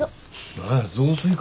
何や雑炊か。